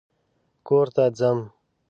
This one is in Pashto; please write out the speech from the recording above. کور ته ځم